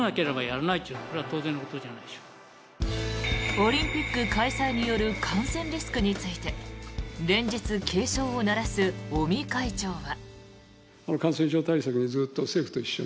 オリンピック開催による感染リスクについて連日警鐘を鳴らす尾身会長は。